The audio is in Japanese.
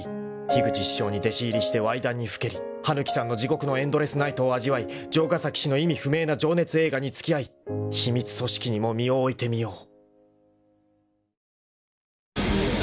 ［樋口師匠に弟子入りしてわいだんにふけり羽貫さんの地獄のエンドレスナイトを味わい城ヶ崎氏の意味不明な情熱映画に付き合い秘密組織にも身を置いてみよう］